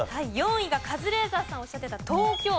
４位がカズレーザーさんおっしゃってた東京都。